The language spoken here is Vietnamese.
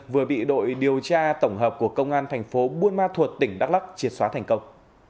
vừa bị đội điều tra tổng hợp của công an thành phố buôn ma thuột tỉnh đắk lắc triệt xóa thành công